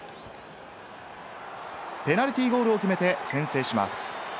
ペナルティーゴールを決めて先制します。